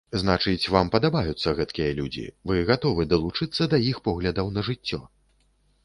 Значыць, вам падабаюцца гэткія людзі, вы гатовы далучыцца да іх поглядаў на жыццё?